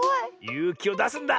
ゆうきをだすんだ！